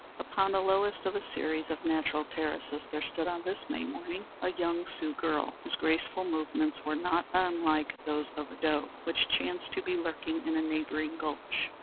Upon the lowest of a series of natural terraces there stood on this May morning a young Sioux girl, whose graceful movements were not unlike those of a doe which chanced to be lurking in a neighboring gulch.